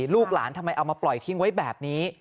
ลูกหลานทำไมเอามาปล่อยทิ้งไว้แบบนี้